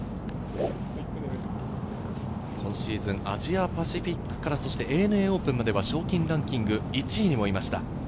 今シーズン、アジアパシフィックからＡＮＡオープンまでは賞金ランキング１位にいました。